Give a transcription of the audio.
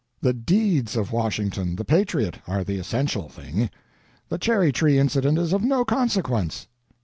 The deeds of Washington, the patriot, are the essential thing; the cherry tree incident is of no consequence.